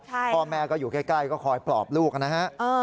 พ่อแม่ก็อยู่ใกล้ก็คอยปลอบลูกนะฮะ